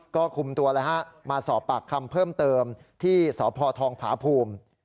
ก็คุมตัวมาสอบปากคำเพิ่มเติมที่สพทองผาภูมิ